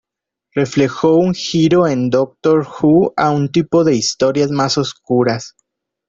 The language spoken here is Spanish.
Reflejó un giro en "Doctor Who" a un tipo de historias más oscuras.